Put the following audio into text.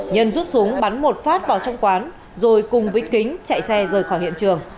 nhân rút súng bắn một phát vào trong quán rồi cùng với kính chạy xe rời khỏi hiện trường